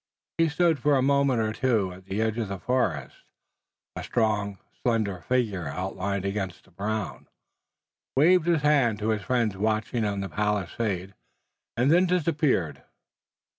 He stood for a moment or two at the edge of the forest, a strong, slender figure outlined against the brown, waved his hand to his friends watching on the palisade, and then disappeared.